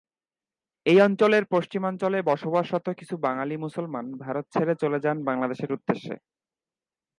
এই অঞ্চলের পশ্চিমাঞ্চলে বসবাসরত কিছু বাঙালি মুসলমান ভারত ছেড়ে চলে যান বাংলাদেশের উদ্দেশ্যে।